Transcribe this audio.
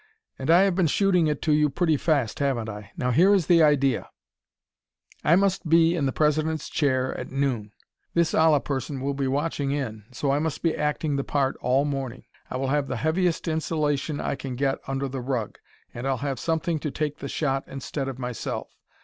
"And I have been shooting it to you pretty fast haven't I! Now here is the idea "I must be in the President's chair at noon. This Allah person will be watching in, so I must be acting the part all morning. I will have the heaviest insulation I can get under the rug, and I'll have something to take the shot instead of myself.